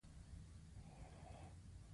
هغې د ښایسته خاطرو لپاره د صادق لرګی سندره ویله.